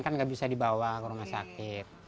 kan nggak bisa dibawa ke rumah sakit